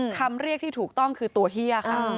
คำเรียกที่ถูกต้องคือตัวเฮียค่ะ